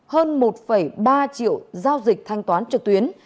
hơn một ba triệu giao dịch thanh toán trực tuyến